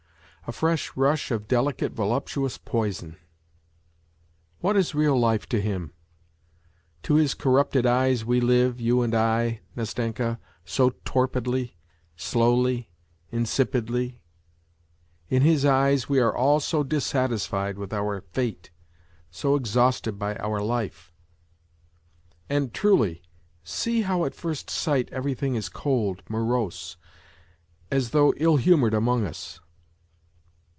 A fresh rush of delie voluptuous poison ! What is real life to him ! To his corrupted s we li ve, you and I, Nastenka, so torpidly, slowly, insipidly ; in his eyes we are all so dissatisfied with our fate, so exhausted life"! And, Wuly, see how^at first sight everything is cold, morose, as though ill humoured among us.